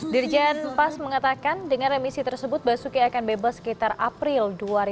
dirjen pas mengatakan dengan remisi tersebut basuki akan bebas sekitar april dua ribu dua puluh